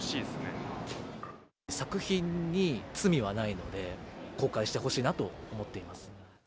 作品に罪はないので、公開してほしいなと思っています。